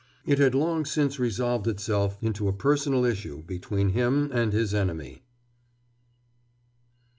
It had long since resolved itself into a personal issue between him and his enemy.